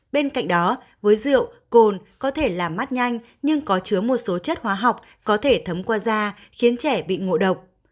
bên cạnh đó với rượu cồn có thể làm mát nhanh nhưng có chứa một số chất hóa học có thể thấm qua da khiến trẻ bị ngộ độc